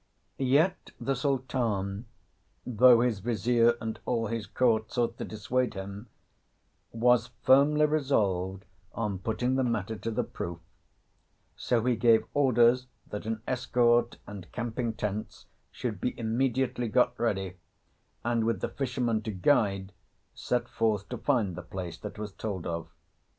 Yet the Sultan, though his Vizier and all his court sought to dissuade him, was firmly resolved on putting the matter to the proof; so he gave orders that an escort and camping tents should be immediately got ready, and, with the fisherman to guide, set forth to find the place that was told of.